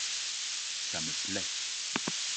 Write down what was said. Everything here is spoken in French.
Ça me plait.